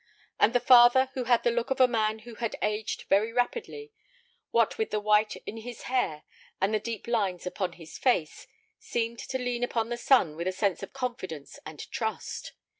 And the father, who had the look of a man who had aged very rapidly, what with the white in his hair and the deep lines upon his face, seemed to lean upon the son with a sense of confidence and trust.